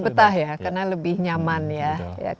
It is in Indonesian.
betah ya karena lebih nyaman ya